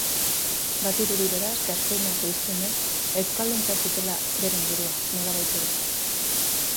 Badirudi, beraz, Gaskoiniako hiztunek euskalduntzat zutela beren burua, nolabait ere.